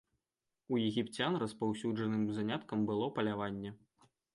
У егіпцян распаўсюджаным заняткам было паляванне.